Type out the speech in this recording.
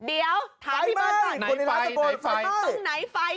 เดี๋ยวถามพี่ปอนต์ไฟไหมคนในร้านสะโกนไฟไหมไฟไหม